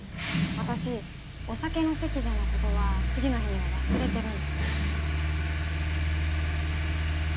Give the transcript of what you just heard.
私お酒の席でのことは次の日には忘れてるんで。